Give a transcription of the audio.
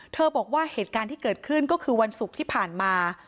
บอกว่าเหตุการณ์ที่เกิดขึ้นก็คือวันศุกร์ที่ผ่านมา